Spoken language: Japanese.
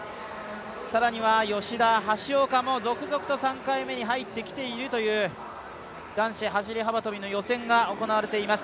更には吉田、橋岡も続々と３回目に入ってきているという男子走幅跳の予選が行われています。